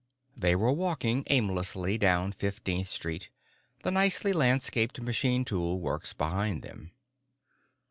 They were walking aimlessly down Fifteen Street, the nicely landscaped machine tool works behind them.